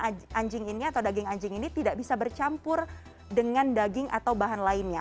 anjing ini atau daging anjing ini tidak bisa bercampur dengan daging atau bahan lainnya